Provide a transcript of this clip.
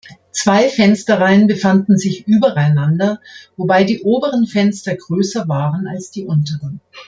Zwei Fensterreihen befanden sich übereinander, wobei die oberen Fenster größer waren als die unteren.